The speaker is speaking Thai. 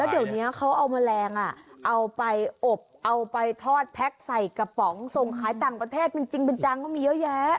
เดี๋ยวนี้เขาเอาแมลงเอาไปอบเอาไปทอดแพ็คใส่กระป๋องส่งขายต่างประเทศเป็นจริงเป็นจังก็มีเยอะแยะ